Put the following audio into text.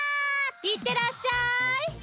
いってらっしゃい！